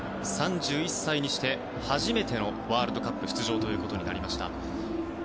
３１歳にして初めてのワールドカップ出場となりました。